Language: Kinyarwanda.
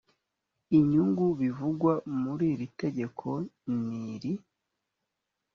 inyungu bivugwa muri iri tegeko niri